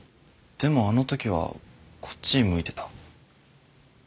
でもあの時はこっち向いてた。